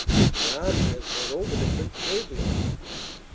The army has gone over to Prince Gabriel."